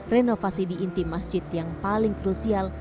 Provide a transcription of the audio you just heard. renovasi di inti masjid yang paling krusial